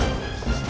mas diserah tempatnya